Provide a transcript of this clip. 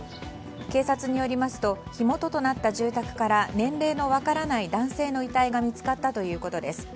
警察によりますと火元となった住宅から年齢の分からない男性の遺体が見つかったということです。